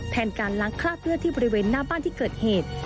แทนการล้างคราบเลือดที่บริเวณหน้าบ้านที่เกิดเหตุ